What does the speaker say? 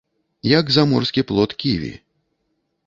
Як заморскі плод ківі.